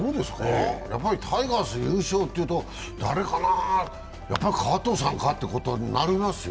やっぱりタイガース優勝っていうと誰かな、やっぱり川藤さんかっていうことになりますよ。